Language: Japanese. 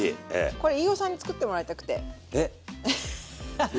これ飯尾さんに作ってもらいたくて。